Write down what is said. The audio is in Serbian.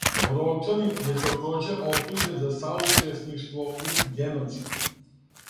Боровчанин је такође оптужен за саучесништво у геноциду.